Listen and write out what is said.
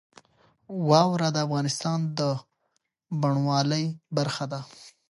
واوره د افغانستان د بڼوالۍ برخه ده.